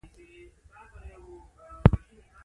د انسان په فکر دومره ژور اغېز ښندي.